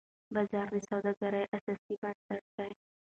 بازار د سوداګرۍ اساسي بنسټ دی.